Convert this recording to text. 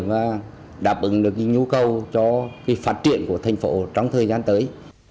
và đáp ứng được nhu cầu cho phát triển của thành phố trong thời gian tới